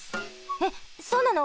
えっそうなの？